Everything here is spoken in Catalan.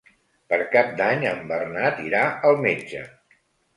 Per Cap d'Any en Bernat irà al metge.